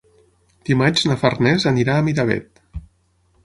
Dimarts na Farners anirà a Miravet.